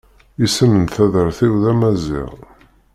Isem n taddart-iw d amaziɣ.